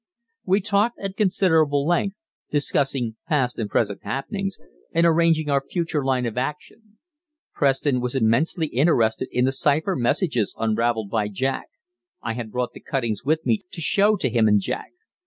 We talked at considerable length, discussing past and present happenings, and arranging our future line of action. Preston was immensely interested in the cypher messages unravelled by Dick I had brought the cuttings with me to show to him and Jack.